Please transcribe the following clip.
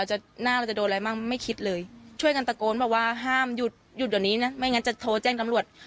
หน้าเราจะโดนอะไรมั่งไม่คิดเลยช่วยกันตะโกนบอกว่าห้ามหยุดหยุดเดี๋ยวนี้นะไม่งั้นจะโทรแจ้งตำรวจ